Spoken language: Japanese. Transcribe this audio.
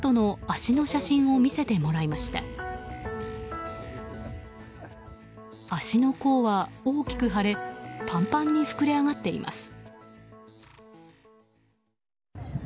足の甲は大きく腫れパンパンに膨れ上がっています。